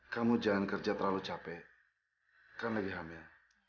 kamu jangan kerja terlalu capek kan lagi hamil